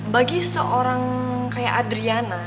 bagi seorang kayak adriana